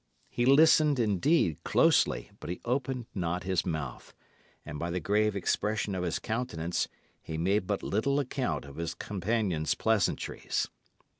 He listened, indeed, closely, but he opened not his mouth; and by the grave expression of his countenance, he made but little account of his companion's pleasantries.